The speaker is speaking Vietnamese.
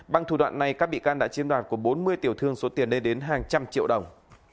bằng thủ đoạn này các bị can đã chiếm đoạt của bốn mươi tiểu thương số tiền lên đến hàng trăm triệu đồng